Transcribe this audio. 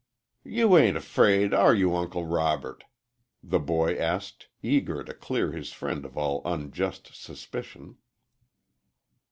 "You ain't'fraid, are you, Uncle Robert?" the boy asked, eager to clear his friend of all unjust suspicion.